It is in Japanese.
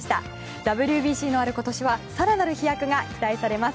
ＷＢＣのある今年は更なる飛躍が期待されます。